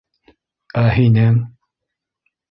Ә һинең?